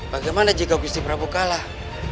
bagaimana jika gusti prabu kalah